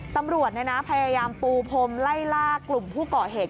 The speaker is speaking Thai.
ตำรวจพยายามปูพรมไล่ล่ากลุ่มผู้ก่อเหตุ